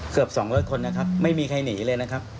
เกือบ๒๐๐คนนะครับไม่มีใครหนีเลยนะครับ